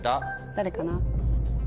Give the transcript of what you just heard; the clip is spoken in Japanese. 誰かな？